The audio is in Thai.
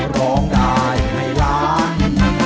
ร้องได้ให้ล้าน